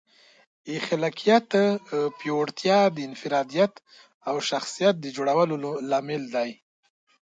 د خلاقیت پیاوړتیا د انفرادیت او شخصیت د جوړولو لامل ده.